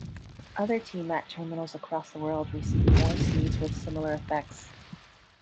Other T-Mat terminals across the world receive more seeds with similar effects.